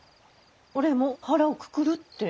「俺も腹をくくる」って。